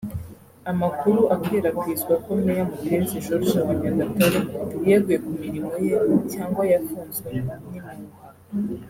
Amakuru akwirakwizwa ko Mayor Mupenzi George wa Nyagatare yeguye ku mirimo ye cyangwa yafunzwe ni impuha